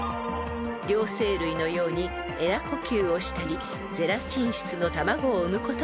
［両生類のようにエラ呼吸をしたりゼラチン質の卵を産むことはありません］